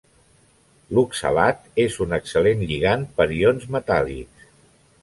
L'oxalat és un excel·lent lligand per ions metàl·lics.